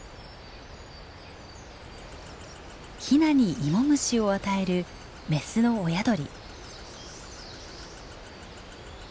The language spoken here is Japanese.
ヒナにイモムシを与えるメスの親鳥。